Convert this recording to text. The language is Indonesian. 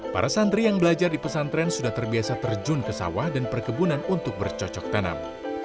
para santri yang belajar di pesantren sudah terbiasa terjun ke sawah dan perkebunan untuk bercocok tanam